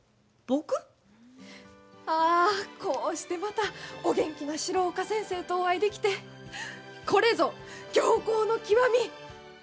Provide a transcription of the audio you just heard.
ああ、こうしてまたお元気な白岡先生とお会いできてこれぞ僥倖の極み！